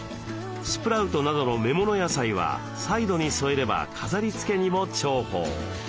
スプラウトなどの芽もの野菜はサイドに添えれば飾りつけにも重宝。